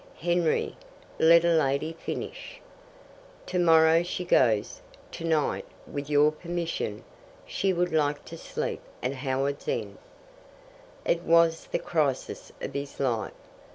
"Henry, let a lady finish. Tomorrow she goes; tonight, with your permission, she would like to sleep at Howards End." It was the crisis of his life.